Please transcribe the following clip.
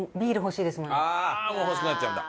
ああーもう欲しくなっちゃうんだ。